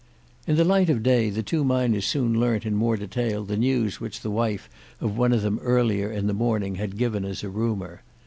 In the light of day, the two miners soon learnt in more detail the news which the wife of one of them earlier in the morning had given as a rumour.